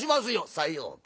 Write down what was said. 「さようか。